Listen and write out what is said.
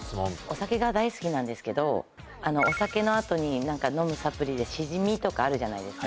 お酒が大好きなんですけどお酒の後に飲むサプリでシジミとかあるじゃないですか。